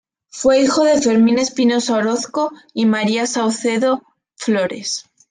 Fue hijo de Fermín Espinosa Orozco y María Saucedo Flores.